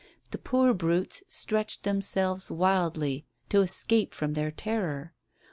The poor brutes stretched themselves wildly to escape from their terror.